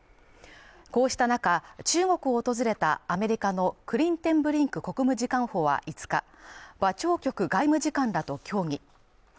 こうした中、中国を訪れたアメリカのクリテンブリンク国務次官補は５日馬朝旭外務次官らと協議。